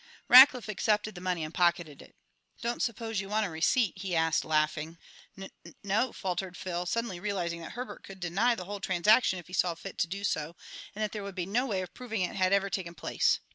Rackliff accepted the money and pocketed it "Don't suppose you want a receipt?" he asked, laughing. "Nun no," faltered Phil, suddenly realizing that Herbert could deny the whole transaction if he saw fit to do so, and that there would be no way of proving it had ever taken place.